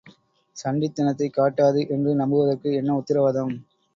சண்டித் தனத்தைக் காட்டாது என்று நம்புவதற்கு என்ன உத்தரவாதம்?